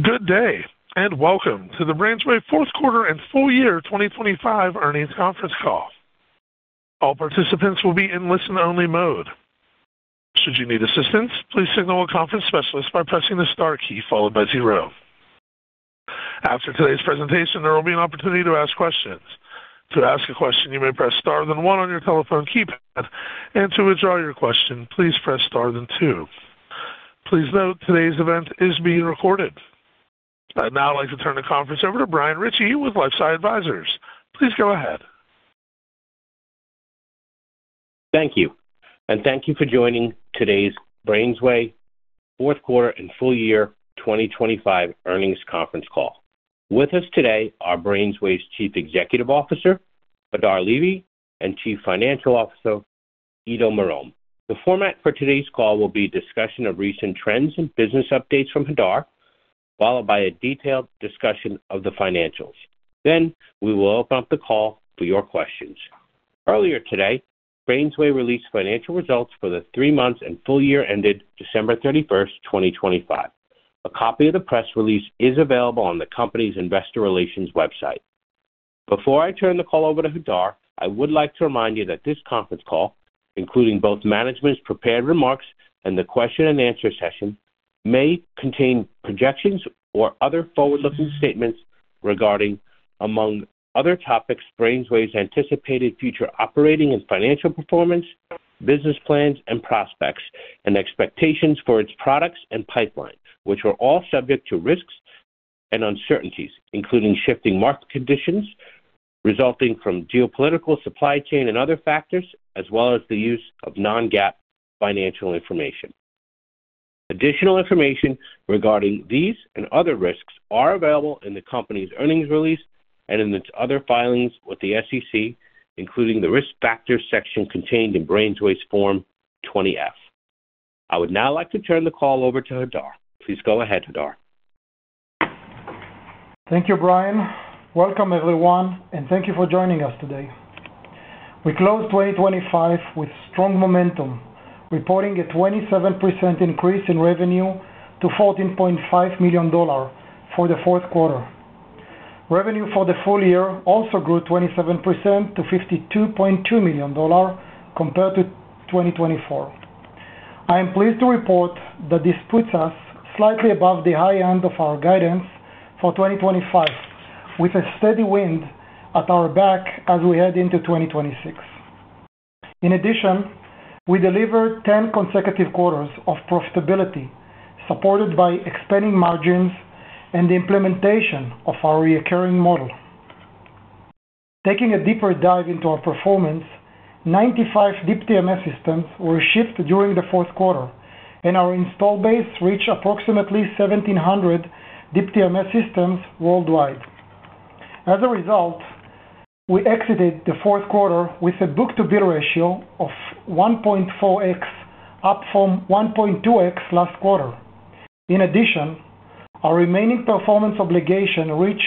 Good day, and welcome to the BrainsWay Q4 and full year 2025 earnings conference call. All participants will be in listen-only mode. Should you need assistance, please signal a conference specialist by pressing the star key followed by zero. After today's presentation, there will be an opportunity to ask questions. To ask a question, you may press star then one on your telephone keypad, and to withdraw your question, please press star then two. Please note today's event is being recorded. I'd now like to turn the conference over to Brian Ritchie with LifeSci Advisors. Please go ahead. Thank you, and thank you for joining today's BrainsWay Q4 and full year 2025 earnings conference call. With us today are BrainsWay's Chief Executive Officer, Hadar Levy, and Chief Financial Officer, Ido Marom. The format for today's call will be a discussion of recent trends and business updates from Hadar, followed by a detailed discussion of the financials. Then we will open up the call for your questions. Earlier today, BrainsWay released financial results for the three months and full year ended December 31st 2025. A copy of the press release is available on the company's investor relations website. Before I turn the call over to Hadar, I would like to remind you that this conference call, including both management's prepared remarks and the question and answer session, may contain projections or other forward-looking statements regarding, among other topics, BrainsWay's anticipated future operating and financial performance, business plans and prospects, and expectations for its products and pipeline, which are all subject to risks and uncertainties, including shifting market conditions resulting from geopolitical supply chain and other factors, as well as the use of non-GAAP financial information. Additional information regarding these and other risks are available in the company's earnings release and in its other filings with the SEC, including the Risk Factors section contained in BrainsWay's Form 20-F. I would now like to turn the call over to Hadar. Please go ahead, Hadar. Thank you, Brian. Welcome, everyone, and thank you for joining us today. We closed 2025 with strong momentum, reporting a 27% increase in revenue to $14.5 million for the Q4. Revenue for the full year also grew 27% to $52.2 million compared to 2024. I am pleased to report that this puts us slightly above the high end of our guidance for 2025, with a steady wind at our back as we head into 2026. In addition, we delivered 10 consecutive quarters of profitability, supported by expanding margins and the implementation of our recurring model. Taking a deeper dive into our performance, 95 Deep TMS systems were shipped during the Q4, and our installed base reached approximately 1,700 Deep TMS systems worldwide. As a result, we exited the Q4 with a book-to-bill ratio of 1.4x, up from 1.2x last quarter. In addition, our remaining performance obligation reached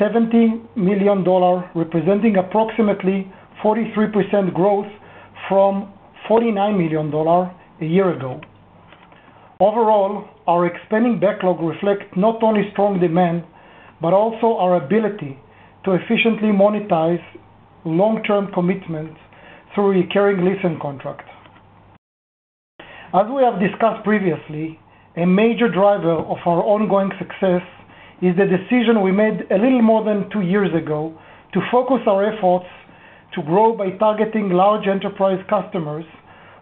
$70 million, representing approximately 43% growth from $49 million a year ago. Overall, our expanding backlog reflects not only strong demand, but also our ability to efficiently monetize long-term commitments through recurring leasing contracts. As we have discussed previously, a major driver of our ongoing success is the decision we made a little more than two years ago to focus our efforts to grow by targeting large enterprise customers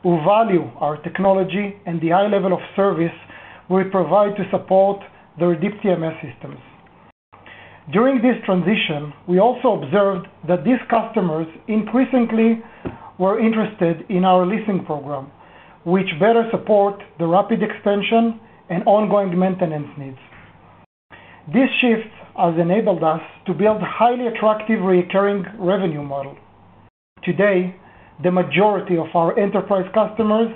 who value our technology and the high level of service we provide to support their Deep TMS systems. During this transition, we also observed that these customers increasingly were interested in our leasing program, which better support the rapid expansion and ongoing maintenance needs. This shift has enabled us to build highly attractive recurring revenue model. Today, the majority of our enterprise customers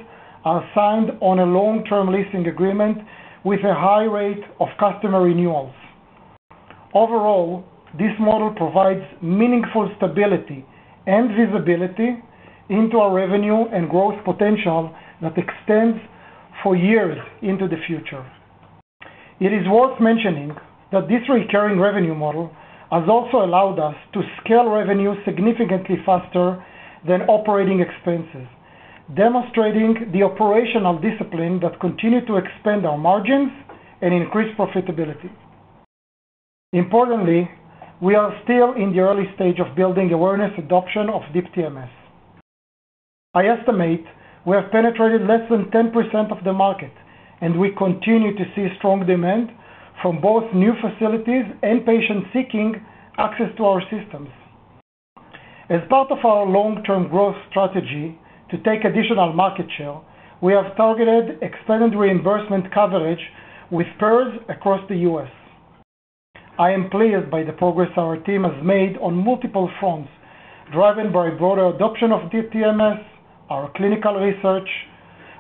are signed on a long-term leasing agreement with a high rate of customer renewals. Overall, this model provides meaningful stability and visibility into our revenue and growth potential that extends for years into the future. It is worth mentioning that this recurring revenue model has also allowed us to scale revenue significantly faster than operating expenses, demonstrating the operational discipline that continue to expand our margins and increase profitability. Importantly, we are still in the early stage of building awareness adoption of Deep TMS. I estimate we have penetrated less than 10% of the market, and we continue to see strong demand from both new facilities and patients seeking access to our systems. As part of our long-term growth strategy to take additional market share, we have targeted expanded reimbursement coverage with payers across the U.S. I am pleased by the progress our team has made on multiple fronts, driven by broader adoption of Deep TMS, our clinical research,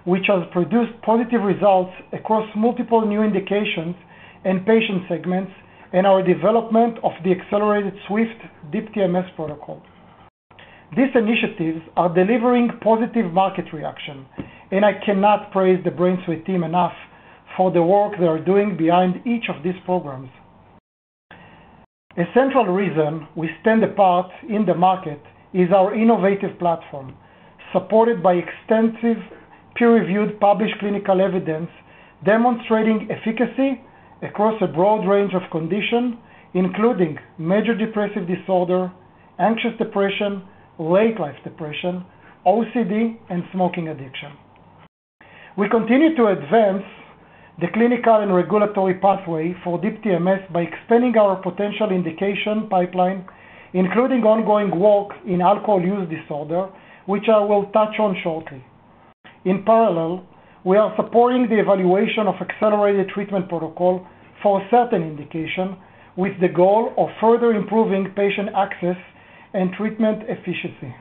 which has produced positive results across multiple new indications and patient segments, and our development of the accelerated SWIFT Deep TMS protocol. These initiatives are delivering positive market reaction, and I cannot praise the BrainsWay team enough for the work they are doing behind each of these programs. A central reason we stand apart in the market is our innovative platform, supported by extensive peer-reviewed published clinical evidence demonstrating efficacy across a broad range of condition, including major depressive disorder, anxious depression, late-life depression, OCD, and smoking addiction. We continue to advance the clinical and regulatory pathway for Deep TMS by expanding our potential indication pipeline, including ongoing work in alcohol use disorder, which I will touch on shortly. In parallel, we are supporting the evaluation of accelerated treatment protocol for certain indication with the goal of further improving patient access and treatment efficiency.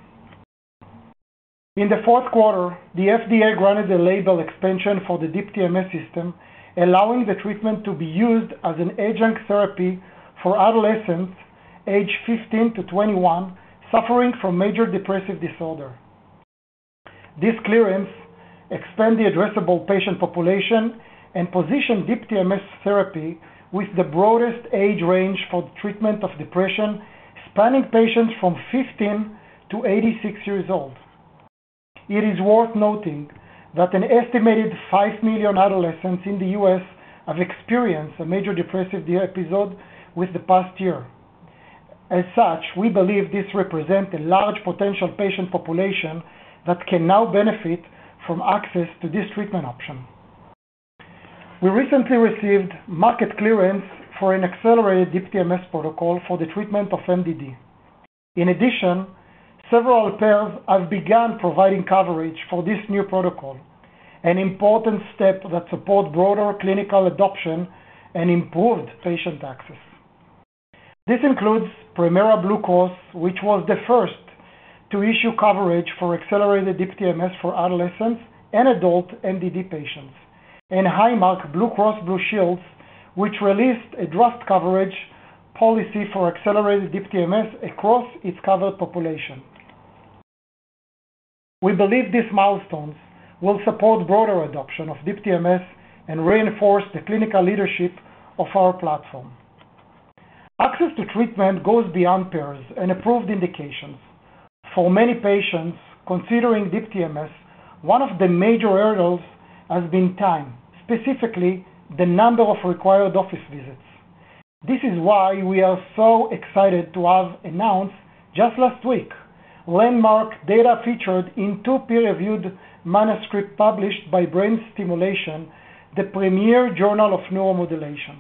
In the Q4, the FDA granted the label expansion for the Deep TMS system, allowing the treatment to be used as an adjunct therapy for adolescents aged 15 to 21 suffering from major depressive disorder. This clearance expands the addressable patient population and positions Deep TMS therapy with the broadest age range for the treatment of depression, spanning patients from 15 to 86 years old. It is worth noting that an estimated 5,000,000 adolescents in the U.S. have experienced a major depressive episode in the past year. As such, we believe this represents a large potential patient population that can now benefit from access to this treatment option. We recently received market clearance for an accelerated Deep TMS protocol for the treatment of MDD. In addition, several payers have begun providing coverage for this new protocol, an important step that supports broader clinical adoption and improved patient access. This includes Premera Blue Cross, which was the first to issue coverage for accelerated Deep TMS for adolescents and adult MDD patients. Highmark Blue Cross Blue Shield, which released a draft coverage policy for accelerated Deep TMS across its covered population. We believe these milestones will support broader adoption of Deep TMS and reinforce the clinical leadership of our platform. Access to treatment goes beyond payers and approved indications. For many patients considering Deep TMS, one of the major hurdles has been time, specifically the number of required office visits. This is why we are so excited to have announced just last week landmark data featured in two peer-reviewed manuscripts published by Brain Stimulation, the premier journal of neuromodulation.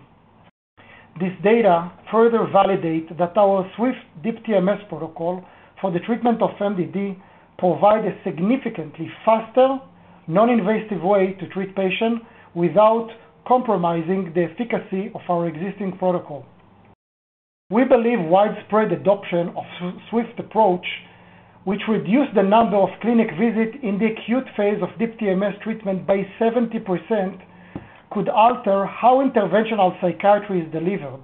This data further validates that our SWIFT Deep TMS protocol for the treatment of MDD provides a significantly faster, non-invasive way to treat patients without compromising the efficacy of our existing protocol. We believe widespread adoption of SWIFT approach, which reduces the number of clinic visits in the acute phase of Deep TMS treatment by 70% could alter how interventional psychiatry is delivered,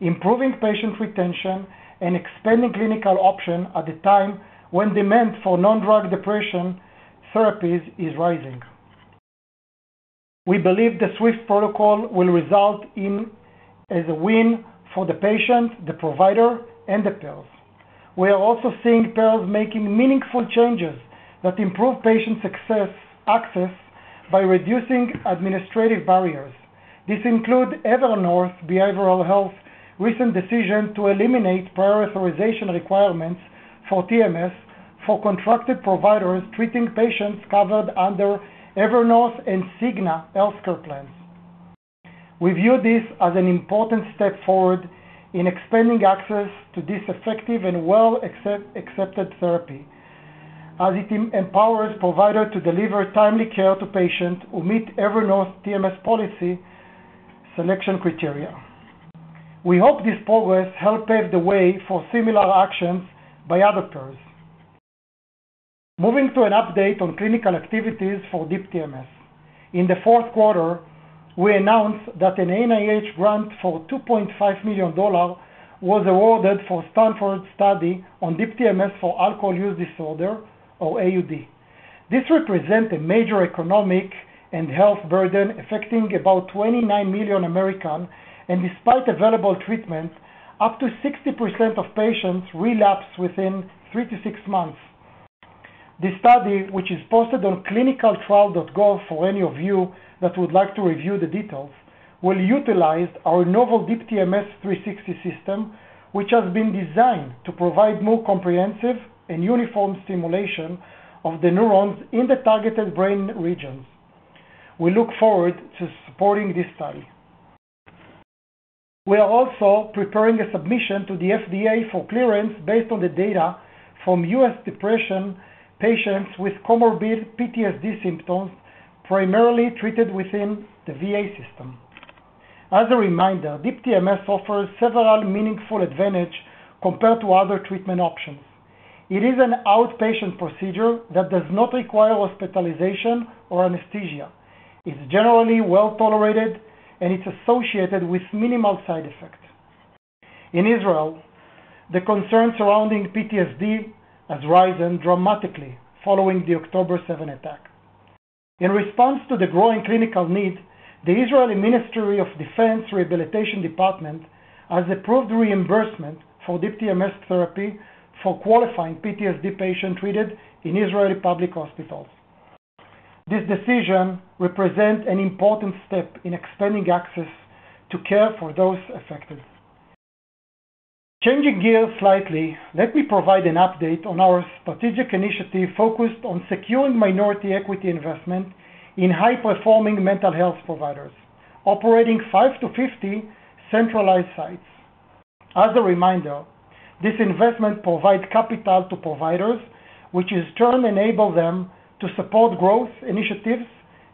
improving patient retention and expanding clinical options at a time when demand for non-drug depression therapies is rising. We believe the SWIFT protocol will result in as a win for the patient, the provider, and the payers. We are also seeing payers making meaningful changes that improve patient success access by reducing administrative barriers. This include Evernorth Behavioral Health recent decision to eliminate prior authorization requirements for TMS for contracted providers treating patients covered under Evernorth and Cigna Healthcare plans. We view this as an important step forward in expanding access to this effective and well-accepted therapy as it empowers providers to deliver timely care to patients who meet Evernorth TMS policy selection criteria. We hope this progress help pave the way for similar actions by other payers. Moving to an update on clinical activities for Deep TMS. In the Q4, we announced that an NIH grant for $2.5 million was awarded for Stanford study on Deep TMS for alcohol use disorder or AUD. This represents a major economic and health burden affecting about 29,000,000 Americans, and despite available treatment, up to 60% of patients relapse within three to six months. The study, which is posted on ClinicalTrials.gov for any of you that would like to review the details, will utilize our novel Deep TMS 360 system, which has been designed to provide more comprehensive and uniform stimulation of the neurons in the targeted brain regions. We look forward to supporting this study. We are also preparing a submission to the FDA for clearance based on the data from U.S. depression patients with comorbid PTSD symptoms, primarily treated within the VA system. As a reminder, Deep TMS offers several meaningful advantages compared to other treatment options. It is an outpatient procedure that does not require hospitalization or anesthesia. It's generally well-tolerated, and it's associated with minimal side effects. In Israel, the concern surrounding PTSD has risen dramatically following the October 7 attack. In response to the growing clinical need, the Israeli Ministry of Defense Rehabilitation Department has approved reimbursement for Deep TMS therapy for qualifying PTSD patients treated in Israeli public hospitals. This decision represents an important step in expanding access to care for those affected. Changing gears slightly, let me provide an update on our strategic initiative focused on securing minority equity investment in high-performing mental health providers operating five to 50 centralized sites. As a reminder, this investment provides capital to providers, which in turn enable them to support growth initiatives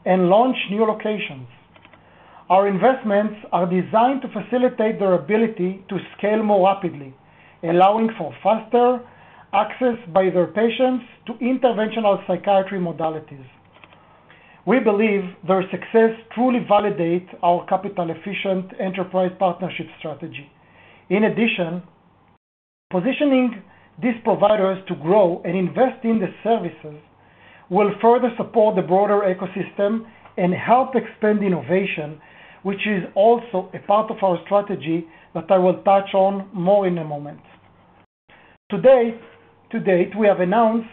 and launch new locations. Our investments are designed to facilitate their ability to scale more rapidly, allowing for faster access by their patients to interventional psychiatry modalities. We believe their success truly validates our capital-efficient enterprise partnership strategy. In addition, positioning these providers to grow and invest in the services will further support the broader ecosystem and help expand innovation, which is also a part of our strategy that I will touch on more in a moment. To date, we have announced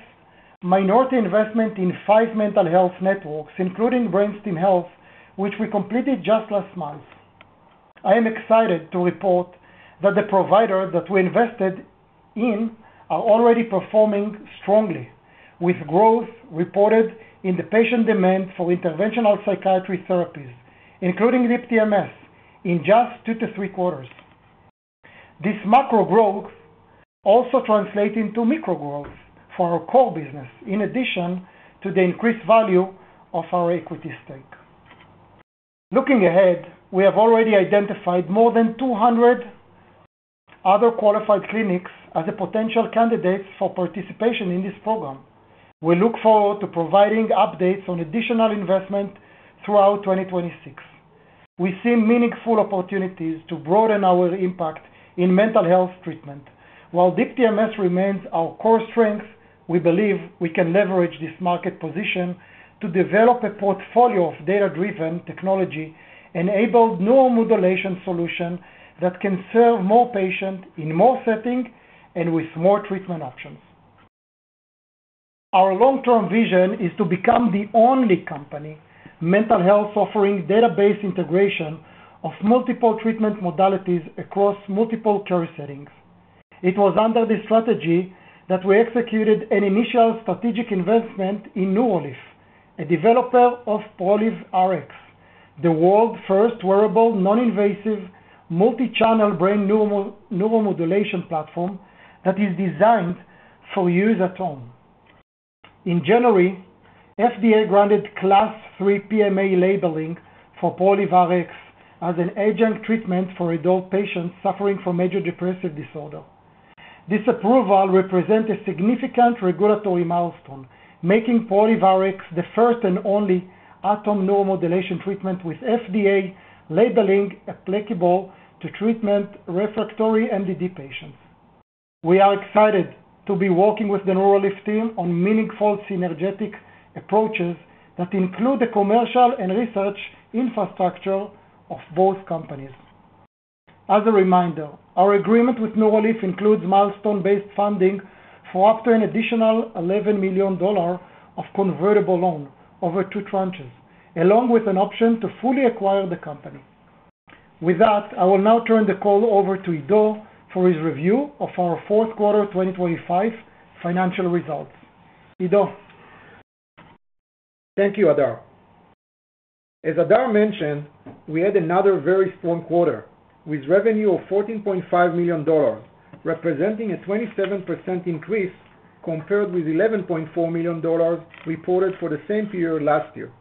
minority investment in five mental health networks, including BrainStim Health, which we completed just last month. I am excited to report that the providers that we invested in are already performing strongly, with growth reported in the patient demand for interventional psychiatry therapies, including Deep TMS, in just two to three quarters. This macro growth also translates into micro growth for our core business, in addition to the increased value of our equity stake. Looking ahead, we have already identified more than 200 other qualified clinics as potential candidates for participation in this program. We look forward to providing updates on additional investment throughout 2026. We see meaningful opportunities to broaden our impact in mental health treatment. While Deep TMS remains our core strength, we believe we can leverage this market position to develop a portfolio of data-driven technology-enabled neuromodulation solution that can serve more patients in more settings and with more treatment options. Our long-term vision is to become the only company mental health offering database integration of multiple treatment modalities across multiple care settings. It was under this strategy that we executed an initial strategic investment in Neurolief, a developer of Proliv Rx, the world's first wearable, non-invasive, multi-channel brain neuromodulation platform that is designed for use at home. In January, FDA granted Class III PMA labeling for Proliv Rx as an adjunct treatment for adult patients suffering from major depressive disorder. This approval represents a significant regulatory milestone, making Proliv Rx the first and only at-home neuromodulation treatment with FDA labeling applicable to treatment-refractory MDD patients. We are excited to be working with the Neurolief team on meaningful synergetic approaches that include the commercial and research infrastructure of both companies. As a reminder, our agreement with Neurolief includes milestone-based funding for up to an additional $11 million of convertible loan over two tranches, along with an option to fully acquire the company. With that, I will now turn the call over to Ido for his review of our Q4 2025 financial results. Ido. Thank you, Hadar. As Hadar mentioned, we had another very strong quarter with revenue of $14.5 million, representing a 27% increase compared with $11.4 million reported for the same period last year.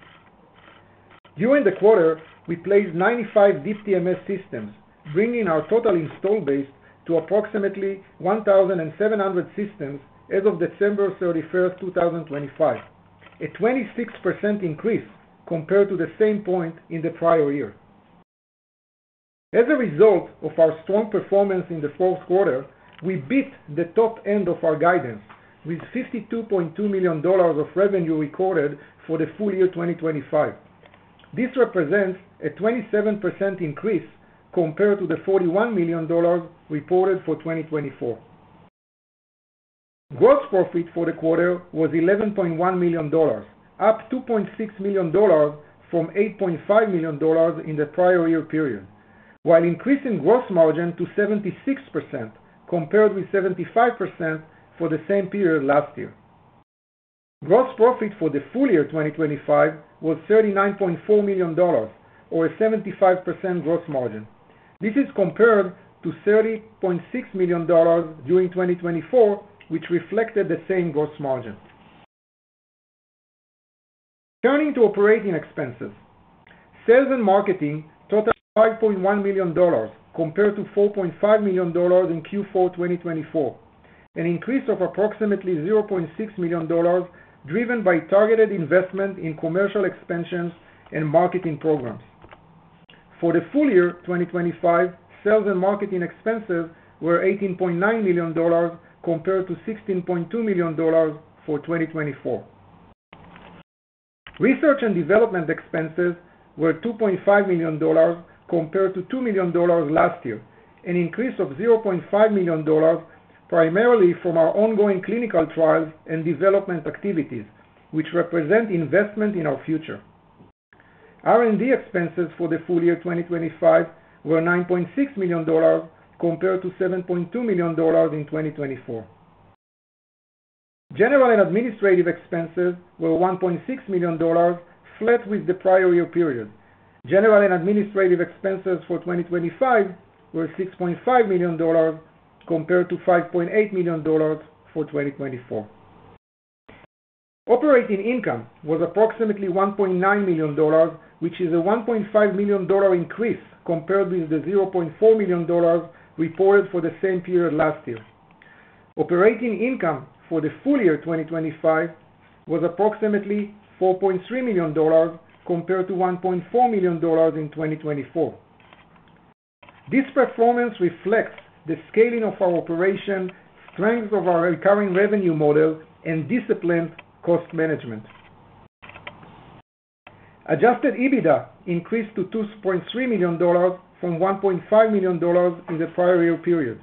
During the quarter, we placed 95 Deep TMS systems, bringing our total install base to approximately 1,700 systems as of December 31st 2025, a 26% increase compared to the same point in the prior year. As a result of our strong performance in the Q4, we beat the top end of our guidance with $52.2 million of revenue recorded for the full year 2025. This represents a 27% increase compared to the $41 million reported for 2024. Gross profit for the quarter was $11.1 million, up $2.6 million from $8.5 million in the prior year period, while increasing gross margin to 76% compared with 75% for the same period last year. Gross profit for the full year 2025 was $39.4 million or a 75% gross margin. This is compared to $30.6 million during 2024, which reflected the same gross margin. Turning to operating expenses. Sales and marketing totaled $5.1 million compared to $4.5 million in Q4 2024. An increase of approximately $0.6 million, driven by targeted investment in commercial expansions and marketing programs. For the full year 2025, sales and marketing expenses were $18.9 million, compared to $16.2 million for 2024. Research and development expenses were $2.5 million compared to $2 million last year. An increase of $0.5 million primarily from our ongoing clinical trials and development activities, which represent investment in our future. R&D expenses for the full year 2025 were $9.6 million compared to $7.2 million in 2024. General and administrative expenses were $1.6 million, flat with the prior year period. General and administrative expenses for 2025 were $6.5 million, compared to $5.8 million for 2024. Operating income was approximately $1.9 million, which is a $1.5 million increase compared with the $0.4 million reported for the same period last year. Operating income for the full year 2025 was approximately $4.3 million compared to $1.4 million in 2024. This performance reflects the scaling of our operation, strength of our recurring revenue model, and disciplined cost management. Adjusted EBITDA increased to $2.3 million from $1.5 million in the prior year period.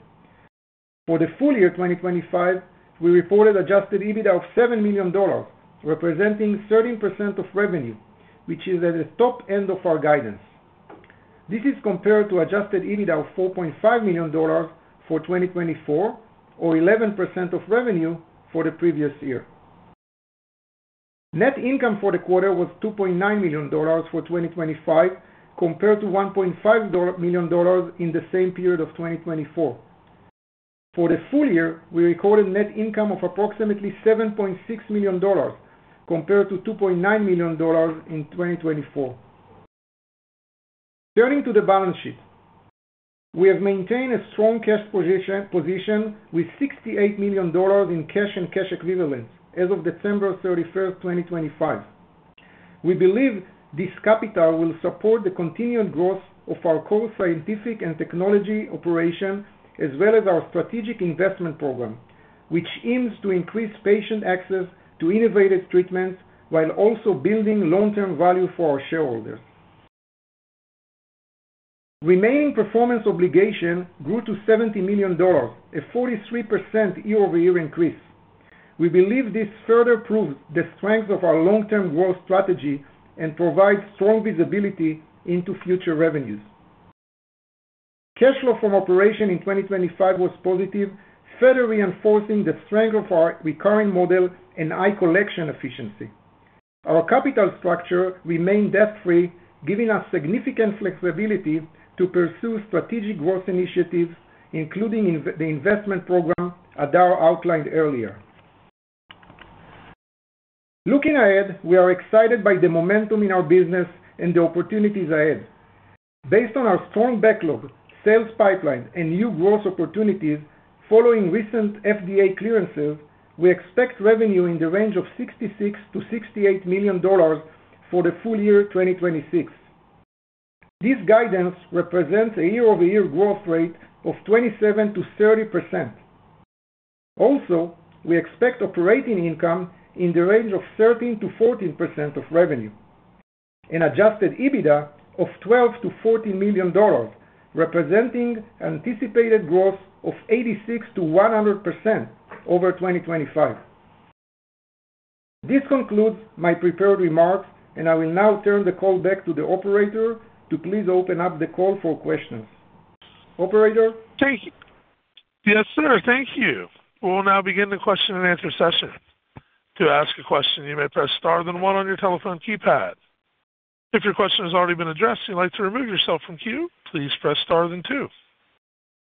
For the full year 2025, we reported adjusted EBITDA of $7 million, representing 13% of revenue, which is at the top end of our guidance. This is compared to adjusted EBITDA of $4.5 million for 2024 or 11% of revenue for the previous year. Net income for the quarter was $2.9 million for 2025, compared to $1.5 million in the same period of 2024. For the full year, we recorded net income of approximately $7.6 million, compared to $2.9 million in 2024. Turning to the balance sheet. We have maintained a strong cash position with $68 million in cash and cash equivalents as of December 31st 2025. We believe this capital will support the continued growth of our core scientific and technology operation, as well as our strategic investment program, which aims to increase patient access to innovative treatments while also building long-term value for our shareholders. Remaining performance obligation grew to $70 million, a 43% year-over-year increase. We believe this further proves the strength of our long-term growth strategy and provides strong visibility into future revenues. Cash flow from operations in 2025 was positive, further reinforcing the strength of our recurring model and high collection efficiency. Our capital structure remained debt-free, giving us significant flexibility to pursue strategic growth initiatives, including the investment program Hadar outlined earlier. Looking ahead, we are excited by the momentum in our business and the opportunities ahead. Based on our strong backlog, sales pipeline and new growth opportunities following recent FDA clearances, we expect revenue in the range of $66 million-$68 million for the full year 2026. This guidance represents a year-over-year growth rate of 27%-30%. Also, we expect operating income in the range of 13%-14% of revenue, and adjusted EBITDA of $12 million-$14 million, representing anticipated growth of 86%-100% over 2025. This concludes my prepared remarks, and I will now turn the call back to the operator to please open up the call for questions. Operator? Thank you. Yes, sir. Thank you. We will now begin the question and answer session. To ask a question, you may press star then one on your telephone keypad. If your question has already been addressed and you'd like to remove yourself from queue, please press star then two.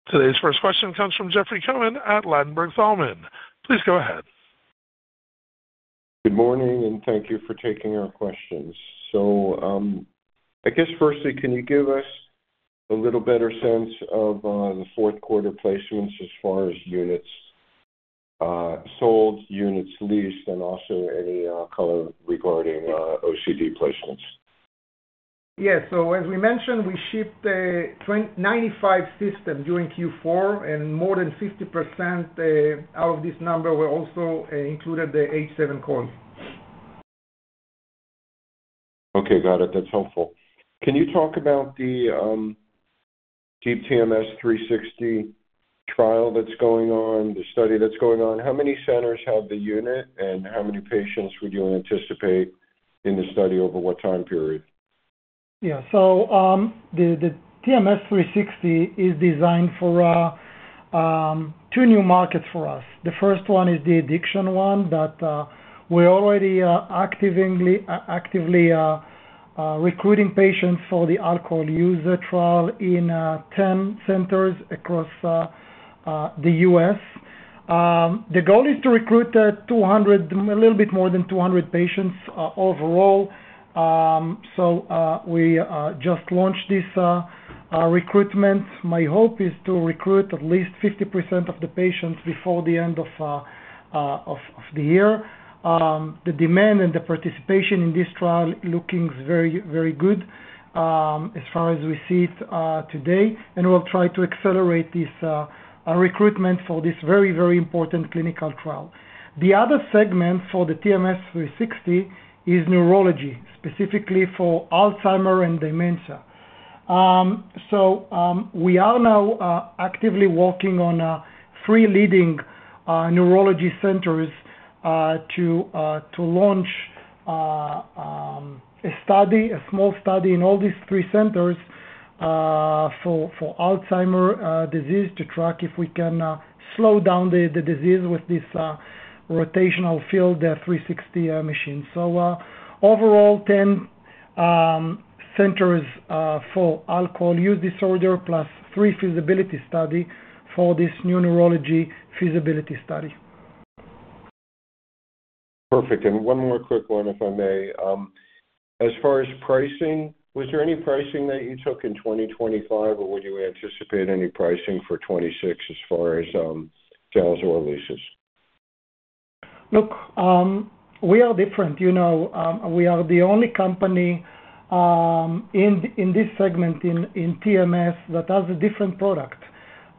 Today's first question comes from Jeffrey Cohen at Ladenburg Thalmann. Please go ahead. Good morning, and thank you for taking our questions. I guess firstly, can you give us a little better sense of the Q4 placements as far as units sold, units leased, and also any color regarding OCD placements? Yes. As we mentioned, we shipped 95 systems during Q4, and more than 50% out of this number were also included the H7 coils. Okay, got it. That's helpful. Can you talk about the Deep TMS 360 trial that's going on, the study that's going on? How many centers have the unit, and how many patients would you anticipate in the study over what time period? The TMS 360 is designed for two new markets for us. The first one is the addiction one that we're already actively recruiting patients for the alcohol use disorder trial in 10 centers across the U.S. The goal is to recruit 200, a little bit more than 200 patients overall. We just launched this recruitment. My hope is to recruit at least 50% of the patients before the end of the year. The demand and the participation in this trial looking very, very good, as far as we see it, today. We'll try to accelerate this recruitment for this very, very important clinical trial. The other segment for the TMS 360 is neurology, specifically for Alzheimer's and dementia. We are now actively working on three leading neurology centers to launch a small study in all these three centers for Alzheimer's disease to track if we can slow down the disease with this rotational field 360 machine. Overall, 10 centers for alcohol use disorder, plus three feasibility study for this new neurology feasibility study. Perfect. One more quick one, if I may. As far as pricing, was there any pricing that you took in 2025 or would you anticipate any pricing for 2026 as far as sales or leases? Look, we are different. You know, we are the only company in this segment in TMS that has a different product.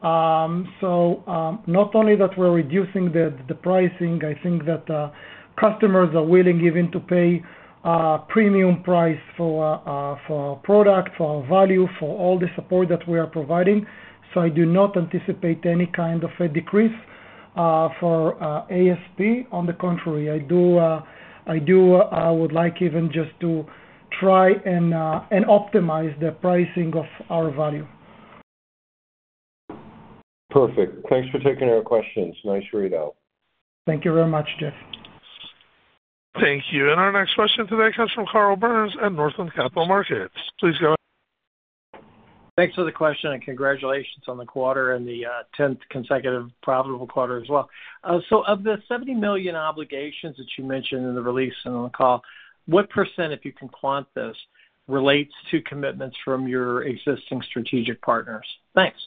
Not only that we're reducing the pricing, I think that customers are willing even to pay premium price for product, for value, for all the support that we are providing. I do not anticipate any kind of a decrease for ASP. On the contrary, I would like even just to try and optimize the pricing of our value. Perfect. Thanks for taking our questions. Nice readout. Thank you very much, Jeffrey. Thank you. Our next question today comes from Carl Byrnes at Northland Capital Markets. Please go ahead. Thanks for the question, and congratulations on the quarter and the 10th consecutive profitable quarter as well. Of the $70 million obligations that you mentioned in the release and on the call, what percent, if you can quant this, relates to commitments from your existing strategic partners? Thanks.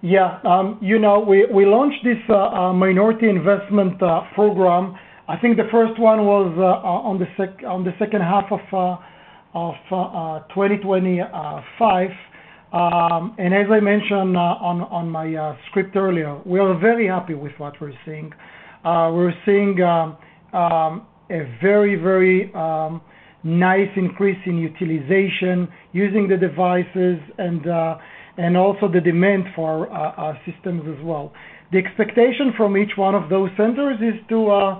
Yeah. You know, we launched this minority investment program. I think the first one was in the second half of 2025. As I mentioned on my script earlier, we are very happy with what we're seeing. We're seeing a very nice increase in utilization using the devices and also the demand for our systems as well. The expectation from each one of those centers is to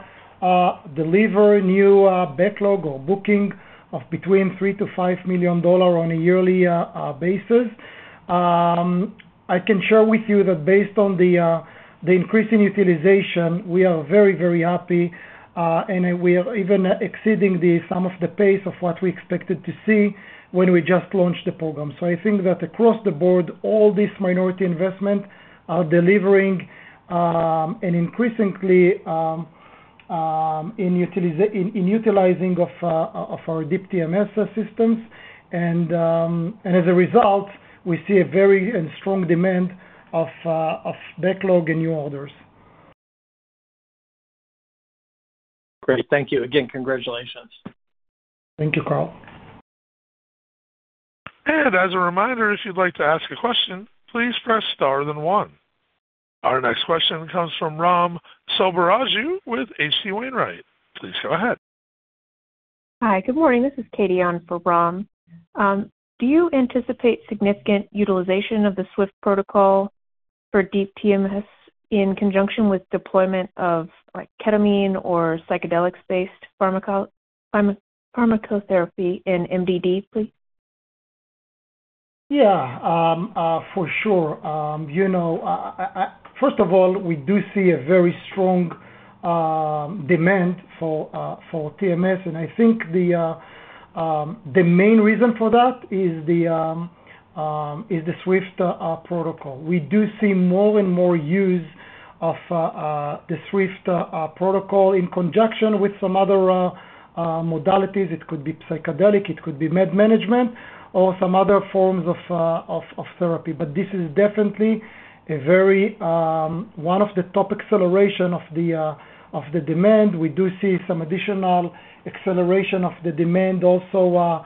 deliver new backlog or booking of between $3-$5 million on a yearly basis. I can share with you that based on the increase in utilization, we are very, very happy and we are even exceeding some of the pace of what we expected to see when we just launched the program. I think that across the board, all these minority investments are delivering an increasing utilization of our Deep TMS systems. As a result, we see a very strong demand for backlog and new orders. Great. Thank you. Again, congratulations. Thank you, Carl. As a reminder, if you'd like to ask a question, please press star then one. Our next question comes from Ram Selvaraju with H.C. Wainwright & Co. Please go ahead. Hi. Good morning. This is Katie on for Ram. Do you anticipate significant utilization of the SWIFT protocol for Deep TMS in conjunction with deployment of like ketamine or psychedelics-based pharmacotherapy in MDD, please? Yeah, for sure. You know, I, first of all, we do see a very strong demand for TMS, and I think the main reason for that is the SWIFT protocol. We do see more and more use of the SWIFT protocol in conjunction with some other modalities. It could be psychedelic, it could be med management or some other forms of therapy. But this is definitely a very one of the top acceleration of the demand. We do see some additional acceleration of the demand also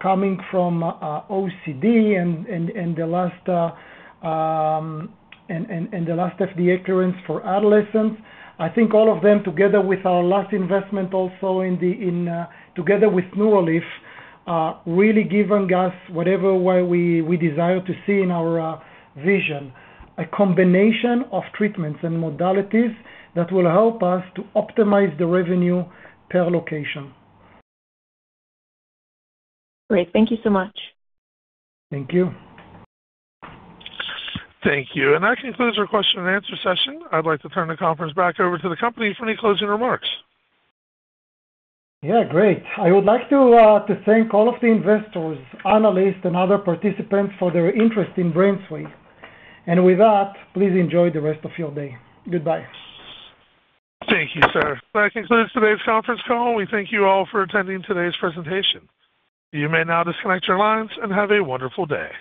coming from OCD in the last FDA clearance for adolescents. I think all of them, together with our last investment also together with Neurolief, really giving us whatever way we desire to see in our vision. A combination of treatments and modalities that will help us to optimize the revenue per location. Great. Thank you so much. Thank you. Thank you. That concludes our question and answer session. I'd like to turn the conference back over to the company for any closing remarks. Yeah, great. I would like to thank all of the investors, analysts, and other participants for their interest in BrainsWay. With that, please enjoy the rest of your day. Goodbye. Thank you, sir. That concludes today's conference call. We thank you all for attending today's presentation. You may now disconnect your lines and have a wonderful day.